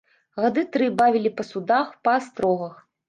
Гады тры бавілі па судах, па астрогах.